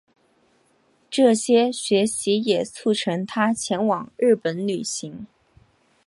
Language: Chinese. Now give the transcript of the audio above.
这些学习也促成他前往日本旅行。